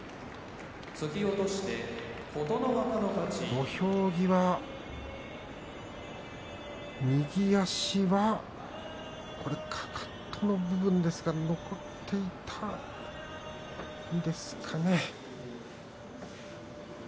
土俵際、右足は、かかとの部分が残っているですかね。